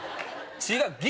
違う！